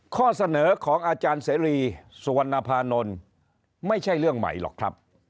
ข้อเสนอของอาจารย์เสรีสพนไม่ใช่เรื่องใหม่หรอกครับ